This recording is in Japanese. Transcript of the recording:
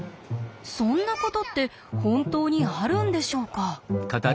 そんなことって本当にあるんでしょうか？